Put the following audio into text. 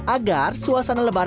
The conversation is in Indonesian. agar suasana lebaran lebih baik